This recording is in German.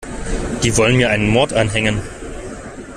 Die wollen mir einen Mord anhängen.